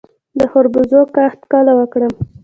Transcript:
د خربوزو کښت کله وکړم؟